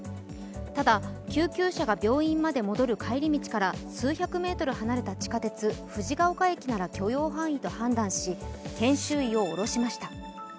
ただ、救急車が病院まで戻る帰り道から数百メートル離れた地下鉄藤が丘駅なら許容範囲と判断し研修医を降ろしました。